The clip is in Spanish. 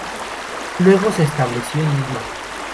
Luego se estableció en Lima.